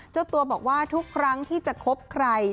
เจ้าตัวบอกว่าทุกครั้งที่จะคบใคร